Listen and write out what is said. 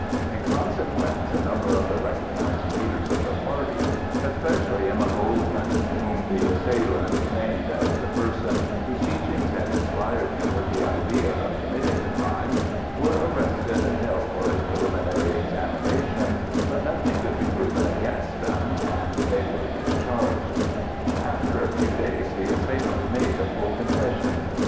In consequence a number of the recognized leaders of the party—especially Emma Goldmann, whom the assailant named as the person whose teachings had inspired him with the idea of committing the crime—were arrested and held for a preliminary examination; but nothing could be proven against them, and they were discharged. After a few days the assailant made a full confession.